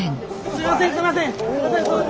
すいません！